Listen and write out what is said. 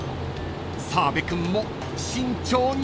［澤部君も慎重に］